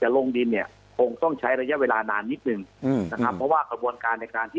ลงดินเนี่ยคงต้องใช้ระยะเวลานานนิดหนึ่งอืมนะครับเพราะว่ากระบวนการในการที่